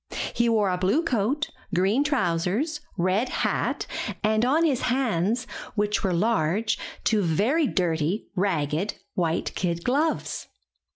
He wore a blue coat, green trousers, red hat, and on his hands, which were large, two very dirty, ragged, white kid gloves.